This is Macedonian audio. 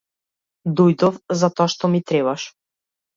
Дојдов затоа што ми требаш.